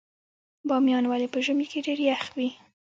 بامیان ولې په ژمي کې ډیر یخ وي؟